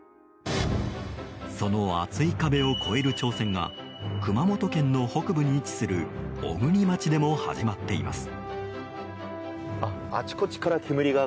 その厚い壁を超える挑戦が熊本県の北部に位置する小国町でも始まっています。